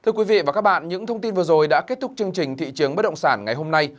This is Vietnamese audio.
thưa quý vị và các bạn những thông tin vừa rồi đã kết thúc chương trình thị trường bất động sản ngày hôm nay